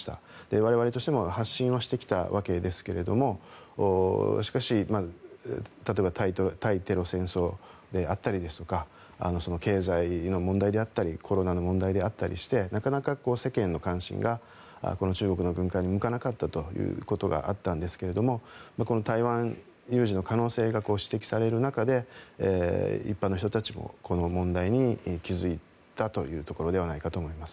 我々としても発信はしてきたわけですけれどもしかし、例えば対テロ戦争であったりとか経済の問題であったりコロナの問題があったりしてなかなか世間の関心が中国の軍拡に向かなかったということがあったんですけれどもこの台湾有事の可能性が指摘される中で一般の人たちもこの問題に気付いたというところではないかと思います。